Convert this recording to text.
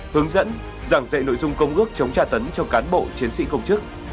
hướng dẫn giảng dạy nội dung công ước chống tra tấn cho cán bộ chiến sĩ công chức